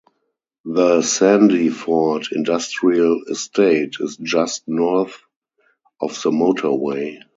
The "Sandyford Industrial Estate" is just north of the motorway.